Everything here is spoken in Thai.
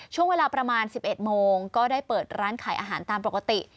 ช่วงเวลาประมาณ๑๑โมงก็ได้เปิดร้านขายอาหารตามปกติ